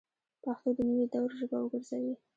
پښتو د نوي دور ژبه وګرځوئ